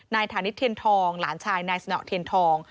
ฐานิตเทียนทองหลานชายนายสนเทียนทอง